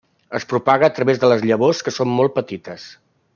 Es propaga a través de les llavors que són molt petites.